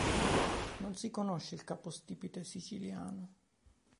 Non si conosce il capostipite siciliano.